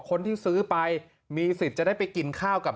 คนที่ซื้อไปมีสิทธิ์จะได้ไปกินข้าวกับ